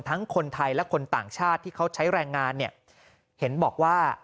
ทั้งคนไทยและคนต่างชาติที่เขาใช้แรงงานเนี่ยเห็นบอกว่า